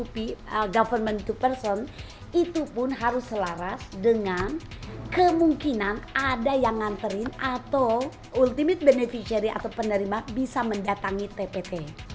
untuk government to person itu pun harus selaras dengan kemungkinan ada yang nganterin atau ultimate beneficiary atau penerima bisa mendatangi tpt